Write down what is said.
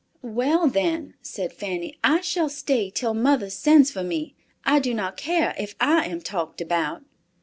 "Well, then," said Fanny, "I shall stay till mother sends for me. I do not care if I am talked about."